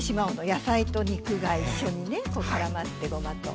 野菜と肉が一緒にねからまってごまと。